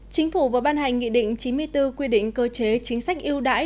chính phủ vừa ban hành nghị định chín mươi bốn quy định cơ chế chính sách yêu đãi